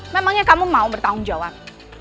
memangnya kamu mau bertanggung jawab